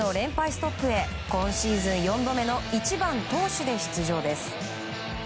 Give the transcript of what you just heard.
ストップへ今シーズン４度目の１番投手で出場です。